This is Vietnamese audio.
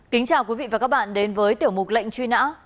kính chào quý vị và các bạn đến với tiểu mục lệnh truy nã